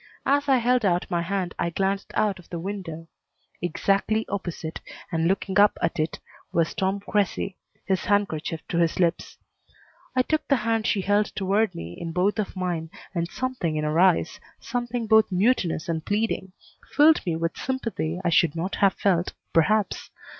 As I held out my hand I glanced out of the window. Exactly opposite, and looking up at it, was Tom Cressy, his handkerchief to his lips. I took the hand she held toward me in both of mine and something in her eyes, something both mutinous and pleading, filled me with sympathy I should not have felt, perhaps.